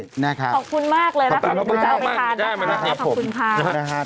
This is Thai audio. สวัสดีมีเจ้ามากกว่านี้